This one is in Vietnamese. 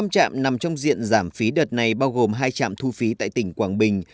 năm trạm nằm trong diện giảm phí đợt này bao gồm hai trạm thu phí tại tỉnh quảng bình